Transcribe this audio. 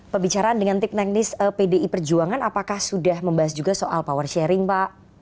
pembicaraan dengan tim teknis pdi perjuangan apakah sudah membahas juga soal power sharing pak